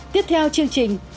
tiếp theo chương trình